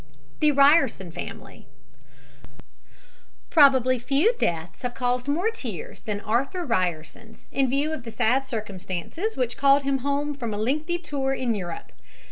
THE RYERSON FAMILY Probably few deaths have caused more tears than Arthur Ryerson's, in view of the sad circumstances which called him home from a lengthy tour in Europe.